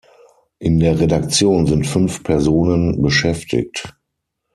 In der Redaktion sind fünf Personen beschäftigt.